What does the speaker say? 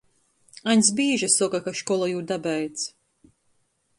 Aņds bīži soka, ka škola jū dabeidz.